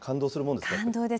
感動です。